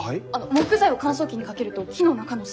木材を乾燥機にかけると木の中の水分が抜けます。